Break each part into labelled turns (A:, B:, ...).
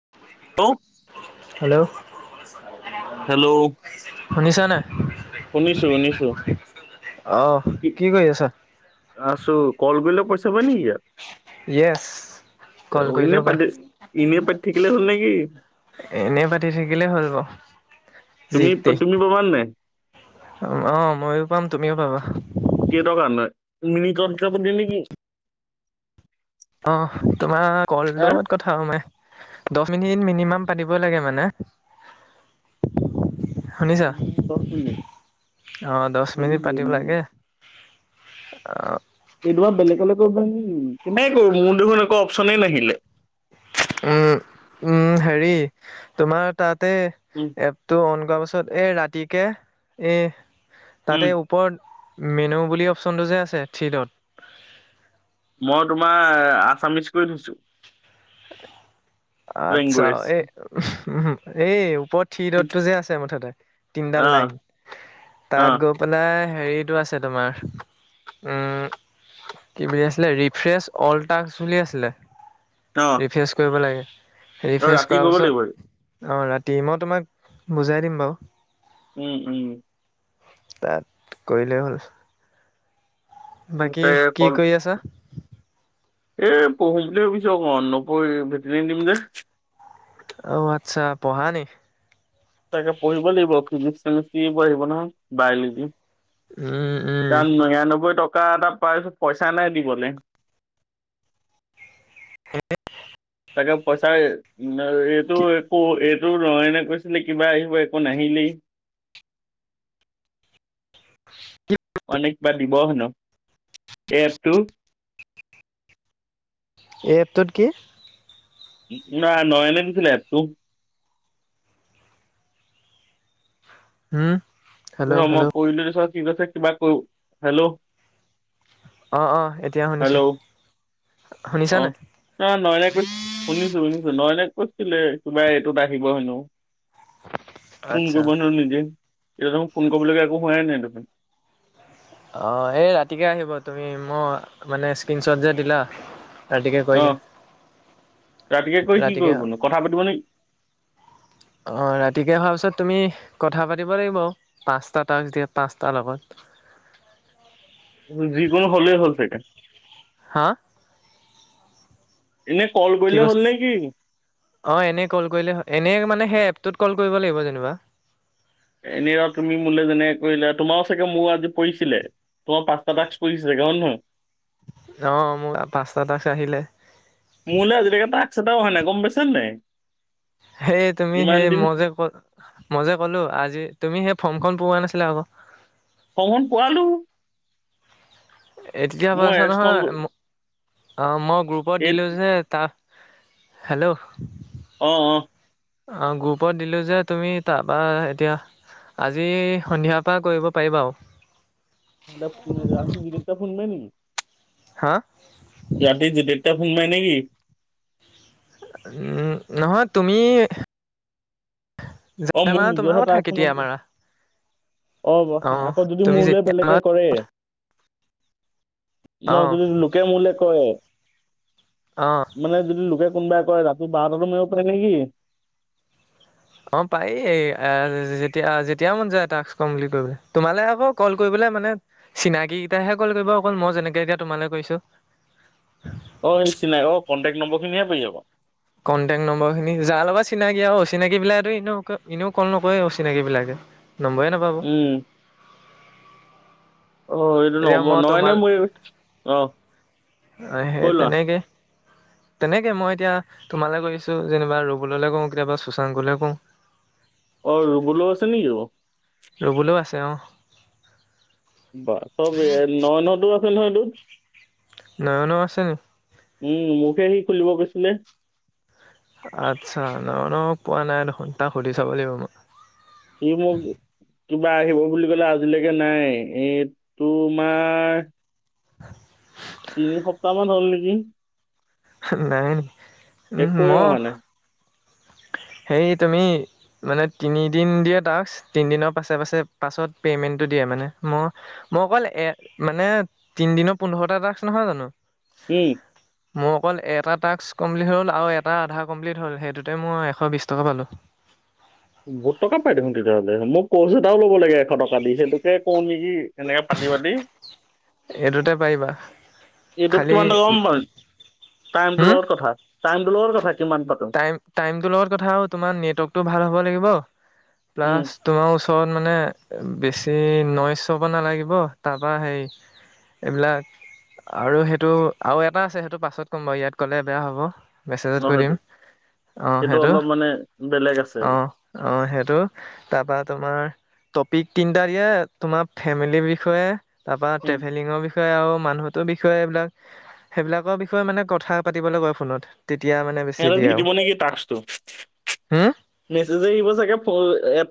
A: [unintelligible]
B: Hello.
A: Hello.
B: শুনিছানে নাই?
A: শুনিছো, শুনিছো।
B: অহ
A: কি,
B: কৰি আছা?
A: আছো। কল কৰিলেও পইচা পায় নেকি ইয়াত?
B: ইয়েচ।
A: [unintelligible] এনে পাতি থাকিলেই হ'ল নেকি?
B: এনে পাতি থাকিলে হৈ যাব।
A: তুমি
B: যিটি।
A: তুমি পাবা নাই
B: অ', ময়ো পাম, তুমিও পাবা।
A: কেটকামান পায়? মিনিটত হিচাপত দিয়ে নেকি?
B: অ', তোমাৰ
A: হা
B: কলটোত কথা, সোমায়। দহ মিনিট মিনিমাম পাতিবই লাগে মানে। শুনিছা?
A: উম, দহ মিনিট
B: অ', দহ মিনিট পাতিব লাগে। অ'।
A: এই তোমা বেলেগলে কৰিব পাৰি নেকি? কেনেকে কৰো? মোৰ দেখোন একো অপচনেই নাহিলে।
B: উম, উম, হেৰি তোমাৰ তাত তে,
A: উম
B: এপটো অন কৰা পিছত, এ ৰাতিকে এ
A: উম
B: তাতে ওপৰত মেনু বুলি অপচনটো যে আছে, থ্ৰি ডত
A: মই তোমাৰ আছামিচ কৰি থৈছো।
B: [inaudible] আচ্ছা,
A: লেংগুৱেজ
B: এই, এই ওপৰত থ্ৰি ডটটো যে আছে মুঠতে, তিন টা
A: অ
B: লাইন,
A: অ
B: তাত গৈ পেলাই হেৰিটো আছে তোমাৰ, উ কি বুলি আছিলে, ৰিফ্ৰেছ অল টাস্ক বুলি আছিলে,
A: অ
B: ৰিফ্ৰেচ কৰিব লাগে।
A: অ
B: ৰিফ্ৰেছ
A: ৰাতি
B: কৰা
A: কৰিব
B: পাছত
A: লাগিব
B: অ, ৰাতি। মই তোমাক বুজাই দিম বাৰু।
A: উম, উম।
B: তাত কৰিলেই হ'ল। বাকী
A: তাই
B: কি কৰি আছা?
A: এই পঢ়িম বুলি ভাবিছো অকমান, নপ ভেটনেৰী দিম যে।
B: অ' আচ্ছা পঢ়া নি?
A: তাকে পঢ়িব লাগিব, ফিজিক্স, কেমিষ্ট্ৰি এইবোৰ আহিব নহয়, বায়লজি
B: উম উম
A: তাত নিৰান্নব্বৈ টক কা এটা পাইছো, পইচা নাই দিবলৈ
B: [inaudible]
A: তাকে পইচাই এইটো
B: কি
A: একো এই টো ৰয়নে কৈছিলে কিবা আহিব একো নাহিলেই।
B: কি
A: মানে কিবা দিব হেনো এই এফটো।
B: এই এপটোতো কি?
A: নাই নয়নে দিছিলে তোক।
B: হম।
A: তাৰপিছত মই কৰিলোঁ তাৰপিছত কি কৈছে কিবা কৈ হেল্ল'
B: অৱ অৱ এতিয়া শুনিছো।
A: অৱ ত নয়নে কৈ শুনিছো শুনিছো নয়নে। কছিলে কিবা এইটোত আহিব হেনো, ফোন
B: আচ্ছা
A: কৰিব হেনো নিজে। এতিয়া তু মোক ফোন কৰিবলগীয়া একো হোৱাই নাই দেখোন।
B: অৱ এই ৰাতিকে আহিব তুমি মই মানে স্ক্ৰীনশ্বট যে দিলা। ৰাতিকে
A: অৱ
B: কৰিলে
A: ৰাতিকে কৈ কি কৰিবনো কথা পাতিব নেকি!
B: অৱ ৰাতিকে হোৱাৰ পিছত তুমি কথা পাতিব লাগিব পাঁচটা তাচ্ছ দিয়ছ পাঁচটাৰ লগত। [unintelligible]
A: যিকোনো হ'লেই হ'ল ছাগে।
B: হা!
A: এনেই কল
B: কি
A: কৰিলে
B: কৈছ,
A: হ'ল নে কি
B: অ এনে কল কৰিলে এনে মানে সেদ তো'ত কল কৰিব লাগিব যেনিবা।
A: এনে তুমি মোলে যেনে কৰিলো তোমাৰো চাগে মোৰোজি পৰিছিলে তোমাৰ পাঁচটা টাস্কছ পৰিছে। ৰন হ্য়।
B: অ মোৰ পাঁচটা টাস্কছ আহিলে।
A: মোৰলৈ আজিলৈকে টাস্কছ এটাও নাই গম পাইছে নে নাই।
B: সেই তুমি
A: ইমান
B: সেই
A: দিন
B: মই যে ক মই যে কলো আজি তুমি সেই ফৰ্মখন পূৰোৱা নাছিলে আকৌ।
A: ফৰ্মখন পোৱালো।
B: এতিয়া কৈ
A: মই
B: আছে নহয়।
A: ৰেচপন্স
B: অ মই গ্ৰুপত
A: এই
B: দিলো যে তাৰ, হেল্ল'
A: অ অ।
B: অ গ্ৰুপত দিলো যে তুমি তাৰপা এতিয়া আজি সন্ধিয়াৰ পৰা কৰিব পাৰিবা আৰু।
A: [inaudible]
B: হা।
A: ৰাতি জিদিপ্তা ফোন মাৰে নেকি?
B: নহয় তুমি
A: অঁ
B: [inaudible]
A: মোৰ
B: মাৰা তোমাৰ
A: নিজৰহে
B: কথা
A: টাস্ক
B: কেতিয়া
A: মই
B: মাৰা।
A: অঁ আকৌ
B: আহ
A: যদি
B: তুমি
A: মোলৈ
B: যেতিয়া
A: বেলেগে
B: মাৰা তোমাৰ কথা।
A: অ যদি লোকে মোৰ লয় কয়
B: অ
A: মানে যদি লোকে কোনোবাই কয় ৰাতি বাৰটাতো মাৰিব পাৰে নেকি?
B: অ পাৰি যেতিয়া যেতিয়া মন যায় টাস্কছ কম্পিলিট কৰিবলৈ তোমালে আকৌ কল কৰিব বোলে মানে চিনাকি কিটাহে কল কৰিব অকল মই যেনেকে এতিয়া তোমালৈ কৰিছোঁ।
A: অ এই চিনাই অ কণ্টেক্ট নম্বৰ খিনিহে পাৰি আকৌ
B: কণ্টেক্ট নম্বৰ খিনি যাৰ লগত চিনাকি আৰু অচিনাকি বিলাক এনেও এনেও কল নকৰে অচিনাকি বিলাকে। নম্বৰে নাপাব।
A: উম অ এইটো
B: এয়া
A: নম্বৰ
B: মই
A: নয় নে
B: তোমালে,
A: মোৰ অ
B: আহ সেই
A: কৈ লোৱা
B: তেনেকে। তেনেকে মই এতিয়া তোমালে কৰিছোঁ যেনিবা ৰুবুললৈ কওঁ কেতিয়াবা শুশাংকলৈ কওঁ।
A: অ ৰুবুলো আছে নেকি ক?
B: ৰুবুলো আছে অৱ।
A: বা চব এ ননতো আছে নহয় এইটোত।
B: নয়নো আছে নেকি?
A: উম মোকে সি খুলিব কৈছিলে।
B: আচ্ছা ন ন পোৱা নাই দেখোন তাক সুধি চাব লাগিব মই
A: এই ম কিবা আহিব বুলি ক'লে আজিলৈকে নাই এই তোমাৰ তিনি সপ্তাহ মান হ'ল নেকি
B: নাই ন উ ম
A: একোৱে অহা নাই
B: সেই তুমি মানে তিনিদিন দিয়া তক তিনিদিনৰ পাছে পাছে পাছত পেমেন্ট দিয়ে মানে ম মই অকল এ মানে তিন দিনৰ পোন্ধৰটা ড্ৰাগছ নহয় জানো
A: হম
B: মোৰ অকল এটা টাস্ কমপ্লিট হল আৰু এটা আধা কমপ্লিট হল সেইটোতে মই শ বিছ টকা পালোঁ
A: বহু টকা পাই দেখোন তেতিয়াহ'লে মোক কৈছো ত অল লগ ক লাগে এশ টকা দি সেইটোকে কওঁ নেকি এনেকে পানী পতি
B: এইটোতে পাৰিবা
A: এইটোত
B: খালি
A: কিমানটা গম পান টাইমটো লগত কথা টাইম টো লগত কথা কিমান পাতো
B: াই টাইমটোৰ লগত কথা তোমাৰ নেটৱৰ্কটো ভাল হ'ব লাগিব
A: উম
B: প্লাছ তোমাৰ ওচ চৰত মানে বেছি নৈচ চব নালাগিব তাৰপা হেৰি এইবিলাক আৰু সেইটো আৰু এটা আছে সেইটো পাছত ক'ম বাৰু ইয়াত ক'লে বেয়া হ'ব
A: ন
B: মেছেজত কৰি
A: সেইটো
B: দিম অ সেইটো
A: অলপ মানে বেলেগ আছে
B: অ আহ সেইটো তাৰপা তোমাৰ টপিক তিনটা দিয়ে তোমাৰ ফেমিলিৰ বিষয়ে তাৰ পৰা
A: উম
B: ট্ৰেভেলিঙৰ বিষয়ে আৰু মানুহৰ বিষয়ে এইবিলাক সেইবিলাকৰ বিষয়ে মানে কথা পাতিবলে কয় ফোনত তেতিয়া মানে বেছি
A: সিহঁততে
B: দিয়ে
A: দি
B: আৰু
A: দিব নেকি তাকছটো
B: হম
A: মেছেজ আহিব চাগে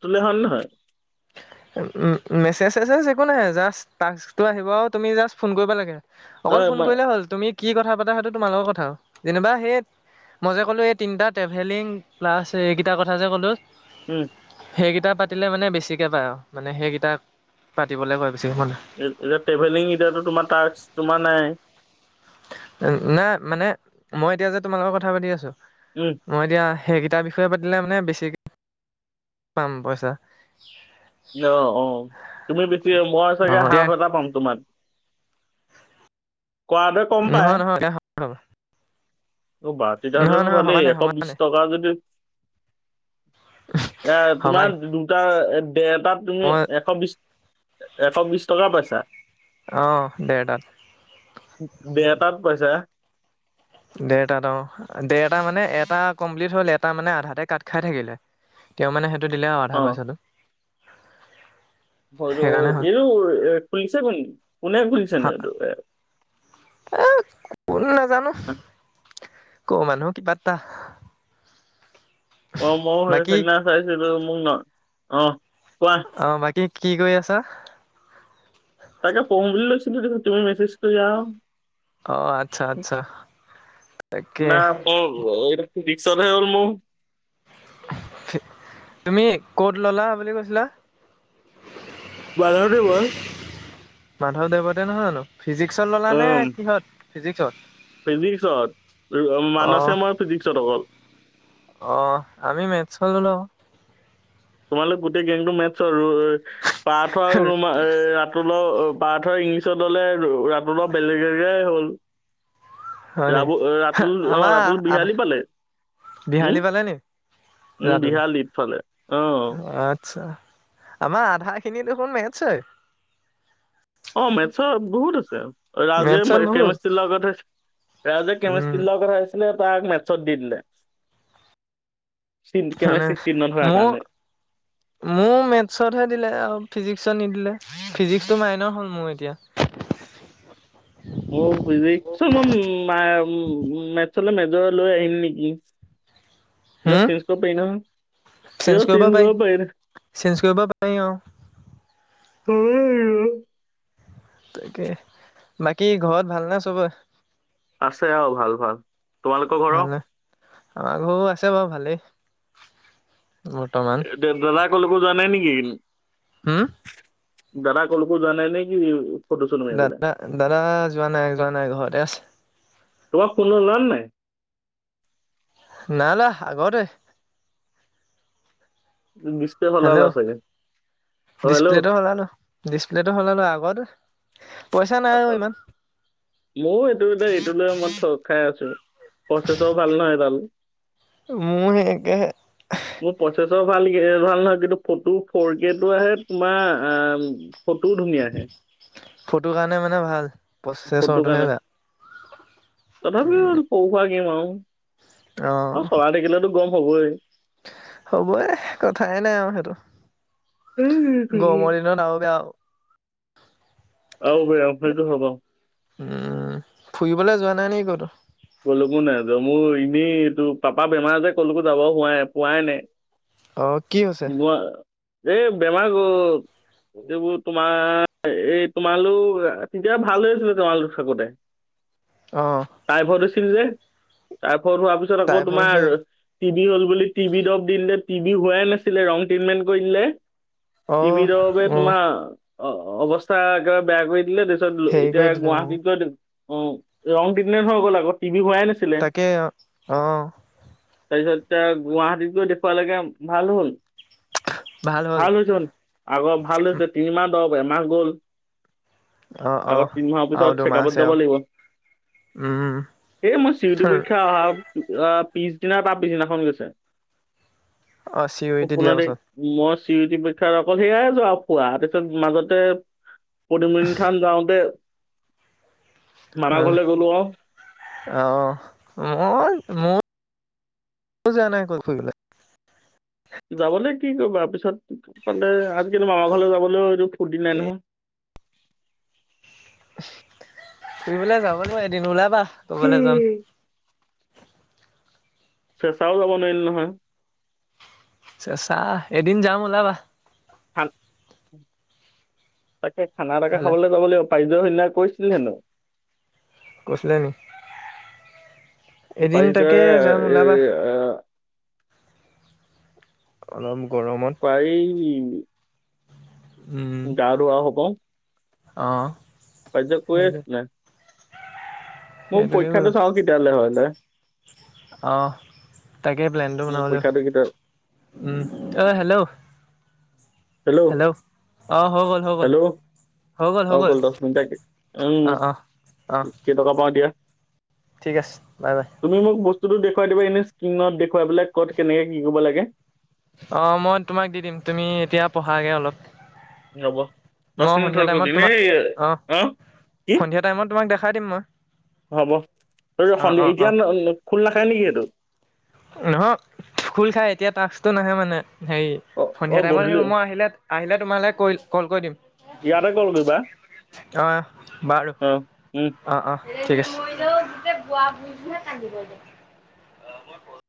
A: তলে হন নহয়
B: মেছেজ চেছেজ একো নাই তাকছটো আহিব তুমি জাষ্ট ফোন কৰিবা লাগে
A: অ
B: অকল ফোন
A: মা-
B: কৰিলে হল তুমি কি কথা পাতা সেইটো তোমাৰ লগৰ কথা যেনিবা সেই মই যে ক'লো এই তিনিটা ট্ৰেভেলিং প্লাছ এইকেইটা কথা যে ক'লো
A: উম
B: সেইকেইটা পাতিলে মানে বেছিকৈ পায় আৰু মানে সেইকেইটা পাতিবলৈ কৈ
A: এতিয়া ট্ৰেভেলিং এতিয়াতো তোমাৰ টাকছ তোমাৰ নাই
B: নাই মানে মই এতিয়া যে তোমাৰ লগত কথা পাতি আছো
A: উম
B: মই এতিয়া সেইকেইটাৰ বিষয়ে পাতিলে মানে বেছিকৈ পাম পইচা
A: অ অ তুমি বেছি মই
B: অ
A: চাগে
B: এতিয়া
A: সাহ এটা পাম তোমাৰ কম পায়
B: নহয় [unintelligible]
A: অ বাতিত
B: নহয়
A: হ'লেনো
B: নহয়
A: ভালেই
B: সমানে
A: এশ বিশ
B: সমানে
A: টকা যদি এ তোমাৰ
B: সমানে
A: দুটা এ তাত তুমি
B: মই
A: এশ বিশ এশ বিশ টকা পইছা
B: অ দেৰতাত
A: পইছা
B: দেৰটাত দেৰটা মানে এটা কমপ্লিট হল এটা মানে আধাতে কাট খাই থাকিলে তেওঁ মানে সেইটো দিলে আৰু
A: অ
B: আধা পইচাটো সেইকাৰণে হ'ল।
A: এইটো এ খুলিছে ক নকি কোনে খুলিছে ন এইটো এ
B: এ কোন নাজানো ক মানুহ কিবা এটা
A: অ মইো সেই
B: বাকী
A: সেইনা চাইছিলো মোক ন অ কোৱা
B: অ বাকী কি কৰি আছা
A: তাকে পঢ়ো বুলি লৈছিলো তুমি মেছেজ কৰি যা
B: অ আচ্ছা আচ্ছা তাকে
A: [unintelligible] [unintelligible]
B: তুমি কত ল'লা বুলি কৈছিলা?
A: বাধা দেৱৰ
B: মাধৱদেৱতে নহয় জানো? ফিজিক্সত ল'লা
A: অ
B: নে কিহত, ফিজিক্সত?
A: ফিজিক্সত,
B: অ
A: মানসে মই ফিজিক্সত অকল।
B: অ', আমি মেথছখন লৈ লওঁ।
A: তোমালোক গোটেই গেংটো মেথছৰ অ', পাৰ্থ আৰু
B: আকৌ।
A: ৰুমা এ ৰাতুলৰ পাৰ্থই‌ ইংলিছ পিছত ল'লে [unintelligible] বেলেগ [unintelligible]
B: হয় নি?
A: ৰাবুল অ', ৰাতুল অ',
B: আমাৰ
A: ৰাতুল
B: আধা
A: বিহালী পালে। হম?
B: বিহালী পালে নি
A: উম,
B: ল'ৰাটো
A: বিহালীফালে
B: আচ্ছা, আমাৰ আধা খিনি দেখোন মেথছই।
A: অ', মেথছৰ বহুত আছে। ৰাজে
B: মেথছত বহুত
A: কেমিষ্ট্ৰিৰ লগতে, ৰাজে
B: উম
A: কেমিষ্ট্ৰি লোৱা কথা আহিছিলে। তাক মেথছত দি দিলে।
B: মানে
A: কেমেষ্ট্ৰী চিহ্নত হোৱাৰ
B: মোৰ,
A: কাৰণে
B: মোক মেথছতহে দিলে আও ফিজিক্সত নিদিলেৱ ফিজিক্সটো মাইনৰ হ'ল মোৰ এতিয়া।
A: উম, ফিজিক্স [unintelligible] মেজৰ লৈ আহিম নেকি! পিছত চেন্জ কৰিব পাৰি নহয়।
B: চেন্জ কৰিব পাৰি, চেন্জ কৰিব পাৰি অ'।
A: [unintelligible]
B: তাকে। বাকী ঘৰত ভাল নে চবৰে?
A: আছে আও, ভাল, ভাল। তোমালোকৰ ঘৰৰ?
B: ভালনে আমাৰ ঘৰও আছে বাৰু ভালেই। বৰ্তমান
A: দেৱ দাদা কলকো যোৱা নাই নেকি?
B: হম?
A: দাদা কলকো যোৱা নাই নেকি? ফটো চটো মাৰিবলে?
B: দাদা-দাদা যোৱা নাই, যোৱা নাই, ঘৰতে আছে।
A: তোমাৰ ফোন ল'লানে নাই?
B: না না আগতে।
A: ডিচপ্লে সলালা
B: হেল্ল',
A: চাগে? অ' হেল্ল'
B: ডিচপ্লেটো সলালো, ডিচপ্লেটো সলালো। আগতোৱে। পইচা নাই আৰু ইমান।
A: ময়ো এইটো, এইটো লৈ মই ঠগ খাই আছো। প্ৰচেছৰ ভাল নহয় এডাল,
B: মোৰ সেই একেহে
A: মোৰ প্ৰচে ভাল ভাল নহয়, কিন্তু ফটো ফৰ কে টো আহে তোমাৰ আহ।
B: ফটো কাৰণে মানে ভাল,
A: ফটো
B: প্ৰচেছৰটোহে
A: কাৰণে
B: বেয়া।
A: তথাপিও
B: উম
A: সৰু সুৰা গেম আৰু
B: অ
A: আৰু চলাই থাকিলেতো গৰম হ'বই।
B: হ'বই, কথাই নাই আৰু সেইটো। গৰমৰ দিনত আৰু বেয়া।
A: আৰু বেয়া আপোনাৰ টো হ'ব।
B: উম, ফুৰিবলৈ যোৱা নাই নেকি কতো?
A: কলোকো নাজাও, মোৰ এনেই তোৰ পাপা বেমাৰ যে কলোকো যাব হোৱাই পোৱাই নাই।
B: অহ' কি হৈছে?
A: মই এই বেমাৰৰ ক'ত। এইবোৰ তোমাৰ, এই তোমালোক তেতিয়া ভাল হৈ আছিলে, তোমালোক থাকোঁতে।
B: অহ'
A: টাইফইড যে তাৰপৰা হোৱাৰ পিছত আকৌ
B: টাইফইড
A: তোমাৰ
B: হৈছে
A: টিভি হ'ল বুলি টিভি দৰব দি দিলে। টিভি হোৱাই নাছিলে, ৰং ট্ৰিটমেণ্ট কৰি দিলে
B: অ
A: টিভিটোৰ দৰৱে
B: অ
A: তোমাৰ। অ' অ' অৱস্থা একেবাৰে বেয়া কৰি দিলে। তাৰপিছত,
B: হেৰি
A: এতিয়া
B: কৰি দিলে অ
A: গুৱাহাটীত গৈ উম, ৰং ট্ৰিটমেণ্ট হৈ গ'ল আকৌ। টিবি হোৱাই নাছিলে
B: তাকে, অহ'
A: তাৰপিছত এতি গুৱাহাটীতো দেখুৱালকে ভাল হল। ভাল হৈছে আগৰ ভাল হৈছে তিনিমাহ দব এমাহ গল।
B: অ অ
A: আগত তিন মাহৰ
B: আৰু
A: পিছত
B: দুমাহ আছে
A: চেকআপত
B: আৰু
A: যাব লাগিব।
B: উম
A: এই মই চি ইউ টি পৰীক্ষা অহা পিছদিনা তাৰ পিছদিনাখন গৈছে।
B: অ চিউৰিটি দিয়াৰ
A: সপোনাদে
B: পাছত
A: মছ চিওটি পৰীক্ষাত অকল সেয়াই যোৱা খোৱা পিছত মাজতে পদুম ঠাম যাওঁতে মাৰা ঘৰলে গ'লো অ',
B: অহ মই মোৰ যোৱা নাই কলৈ ফুৰিবলে।
A: যাবলৈ কি কৰিবা পিছত মানে আ', কিন্তু মামা ঘৰলৈ যাবলৈও এইটো ফুৰৰ্তি নাই নহয়।
B: ফুৰিবলৈ যাব ন এদিন ওলাবা কবলে যাম।
A: উম। চেচাও যাব নোৱাৰিল নহয়।
B: চেচা এদিন যাম ওলাবা।
A: তাকে খানা এতাকে
B: হলে
A: খাবলে যাব লাগিব। ফাইজ হ্যাই কৈছিল হেনো।
B: কৈছিলে নি? এদিন তাকে
A: পাৰিজয়
B: যাম ওলাবা।
A: এই আহ,
B: অলপ [unintelligible]
A: পাৰিম
B: উম
A: গা-ধোৱা হব
B: অ। সেইটো
A: [inaudible] মোৰ
B: সেইটোকে
A: পৰীক্ষাটো
B: কৰিব।
A: চাও কেতিয়ালে হয়।
B: অ তাকে প্লেনটো
A: মোৰ
B: বনাব লাগিব।
A: পৰীক্ষাটো কেতিয়া
B: উম, অ হেল্ল' হেল্ল' অ হৈ গ'ল, হৈ গ'ল। হৈ গ'ল হৈ গ'ল
A: অকল দহ মিনিট, উম
B: অ অ অ
A: কেইটকা পাওঁ এতিয়া।
B: ঠিক আছে বাই বাই।
A: বস্তুোটো দেখুৱাই দিব এনেই স্ক্ৰীণত দেখুৱাই পেলাই ক'ত কেনেকে কি কৰিব লাগে।
B: অ মই তোমাক দি দিম তুমি এতিয়া পঢ়াগে অলপ।
A: ৰ'ব,
B: মই
A: দহ মিনিট
B: সন্ধিয়া
A: হৈ
B: টাইমত তোমাক অ
A: গ'ল [inaudible]
B: সন্ধিয়া টাইমত তোমাক দেখাই দিম মই।
A: হ'ব। এই
B: অ
A: সন্ধি
B: অ অ
A: এতিয়া খোল নাখায় নেকি সেইটো?
B: নহয় খোল খাই এতিয়া টাস্কতো নাহে মানে। হেৰি
A: অ অ
B: সন্ধিয়া টাইমত
A: গধূলি
B: আহিব মই আহিলে আহিলে তোমালৈ কল কৰি দিম।
A: ইয়াতে কল কৰিবা
B: অ বাৰু
A: অ উম উম।
B: অ অ ঠিক আছে। খোৱা বুলিহে কান্দিব